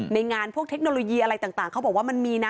ในงานพวกเทคโนโลยีอะไรต่างเขาบอกว่ามันมีนะ